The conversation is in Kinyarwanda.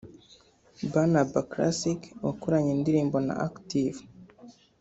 Barnaba Classic wakoranye indirimbo na Active